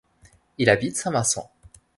Il habite Saint-Vincent.